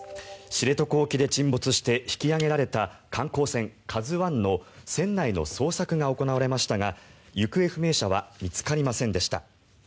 知床沖で沈没して引き揚げられた観光船「ＫＡＺＵ１」の船内の捜索が行われましたが行方不明者は見つかりませんでした。